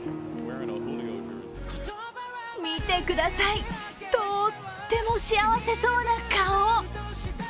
見てください、とっても幸せそうな顔。